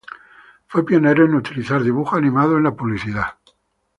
Fue pionero en utilizar dibujos animados en la publicidad.